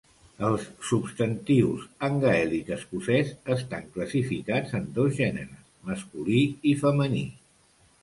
Els substantius, en gaèlic escocès, estan classificats en dos gèneres: masculí i femení.